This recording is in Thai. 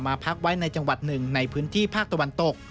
พักไว้ในจังหวัดหนึ่งในพื้นที่ภาคตะวันตก